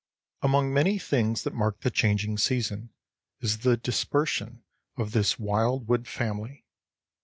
Among many things that mark the changing season, is the dispersion of this wildwood family.